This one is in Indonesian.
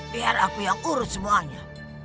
biar aku yang urus semuanya